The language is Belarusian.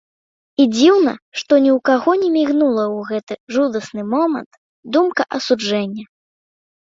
І дзіўна, што ні ў каго не мігнула ў гэты жудасны момант думка асуджэння.